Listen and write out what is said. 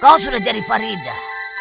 kau sudah jadi farida